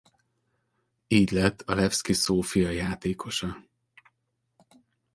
Így lett a Levszki Szófia játékosa.